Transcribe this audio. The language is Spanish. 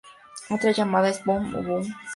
Otra llamada es un "boom-uh-boom".